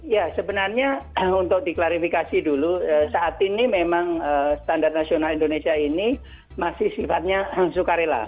ya sebenarnya untuk diklarifikasi dulu saat ini memang standar nasional indonesia ini masih sifatnya sukarela